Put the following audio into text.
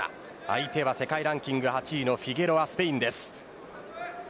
相手は世界ランキング８位のフィゲロアスペインです。